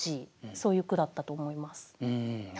そういう句だったと思います。